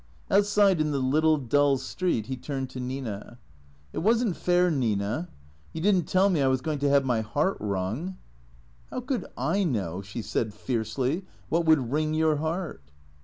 Outside in the little dull street he turned to Nina. " It was n't fair, Nina ; you did n't tell me I was going to have my heart wrung." " How could I know," she said fiercely, " what would wring your heart